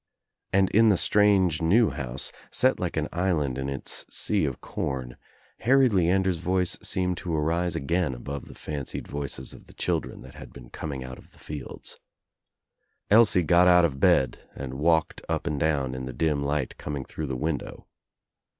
And in the strange new house, set like an island in its sea of corn, Harry Leander's voice seemed to arise again above the fancied voices of the children that had been coming out of the fields. Elsie got out of bed and walked up and down in the dim light coming through the window.